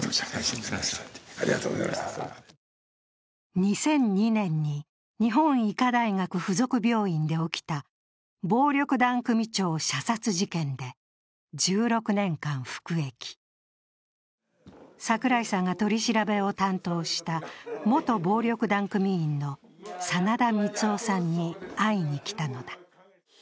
２００２年に日本医科大学付属病院で起きた暴力団組長射殺事件で１６年間服役、櫻井さんが取り調べを担当した元暴力団組員の真田光男さんに会いに来たのだ。